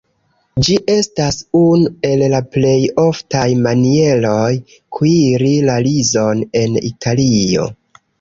Ĝi estas unu el la plej oftaj manieroj kuiri la rizon en Italio.